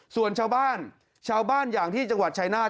ส่วนชาวบ้านชาวบ้านอย่างที่จังหวัดชายนาฏ